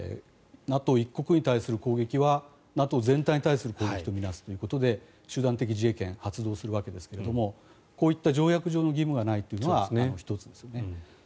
１国に対する攻撃はＮＡＴＯ全体に対する攻撃と見なすということで集団的自衛権を発動するわけですがこういった条約上の義務がないというのは１つですね。